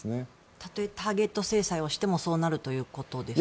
たとえターゲット制裁をしてもそうなるということですか。